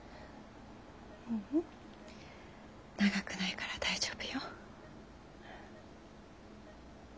ううん長くないから大丈夫よ。